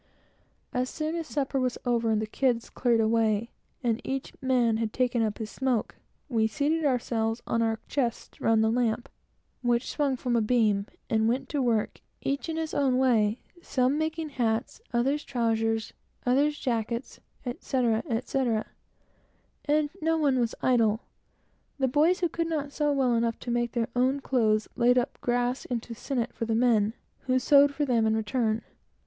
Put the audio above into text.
As soon as supper was over and the kids cleared away, and each one had taken his smoke, we seated ourselves on our chests round the lamp, which swung from a beam, and each one went to work in his own way, some making hats, others trowsers, others jackets, etc., etc.; and no one was idle. The boys who could not sew well enough to make their own clothes, laid up grass into sinnet for the men, who sewed for them in return.